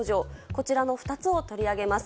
こちらの２つを取り上げます。